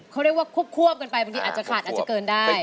เขาเรียกว่าควบกันไปบางทีอาจจะขาดอาจจะเกินได้